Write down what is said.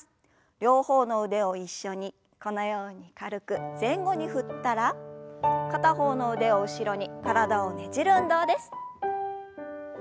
両方の腕を一緒にこのように軽く前後に振ったら片方の腕を後ろに体をねじる運動です。